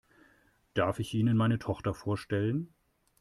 Darf ich Ihnen meine Tochter vorstellen?